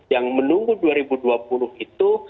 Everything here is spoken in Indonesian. yang menunggu dua ribu dua puluh itu